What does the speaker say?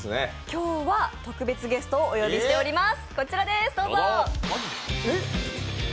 今日は、特別ゲストをお呼びしております。